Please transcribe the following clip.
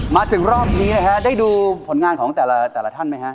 มาถึงรอบนี้นะฮะได้ดูผลงานของแต่ละท่านไหมฮะ